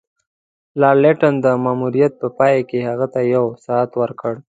لارډ لیټن د ماموریت په پای کې هغه ته یو ساعت ورکړ.